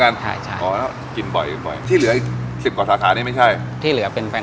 นั่งของพี่เหมือนกัน